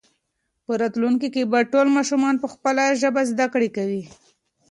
په راتلونکي کې به ټول ماشومان په خپله ژبه زده کړه کوي.